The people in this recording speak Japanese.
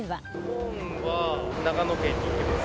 お盆は長野県に行ってきます。